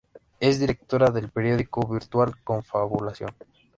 Es Directora del periódico virtual Con-Fabulación.